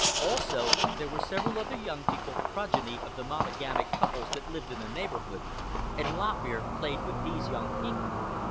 Also, there were several other young people, progeny of the monogamic couples that lived in the neighborhood, and Lop Ear played with these young people.